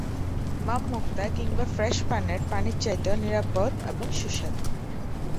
মাম-মুক্তা কিংবা ফ্রেস-প্রাণের পানির চাইতেও নিরাপদ এবং সুস্বাদু।